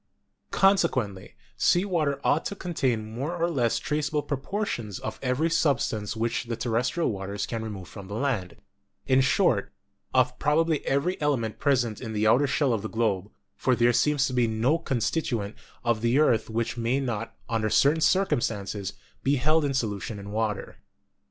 Consequently, sea water ought to contain more or less traceable proportions of every substance which the terrestrial waters can re move from the land — in short, of probably every element present in the outer shell of the globe, for there seems to be no constituent of the earth which may not, under certain circumstances, be held in solution in water.